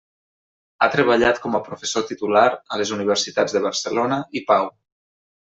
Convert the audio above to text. Ha treballat com a professor titular a les universitats de Barcelona i Pau.